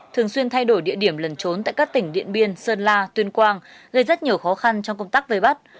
thường xuyên thay đổi địa điểm lần trốn tại các tỉnh điện biên sơn la tuyên quang gây rất nhiều khó khăn trong công tác vây bắt